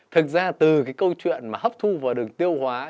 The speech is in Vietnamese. thực ra từ cái câu chuyện mà hấp thu vào đường tiêu hóa